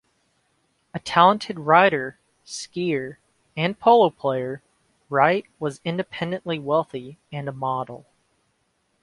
A talented rider, skier, and polo player, Wright was independently wealthy and a model.